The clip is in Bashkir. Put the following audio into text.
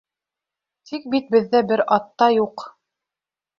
Тик бит беҙҙә бер ат та юҡ.